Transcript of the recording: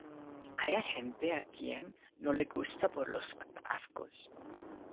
hay a gente a quien no le gusta por los atascos